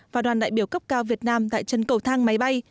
và đoàn đại biểu cấp cao việt nam tại chân cầu thang máy bay